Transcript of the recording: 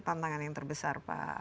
tantangan yang terbesar pak